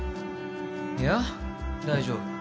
いや大丈夫。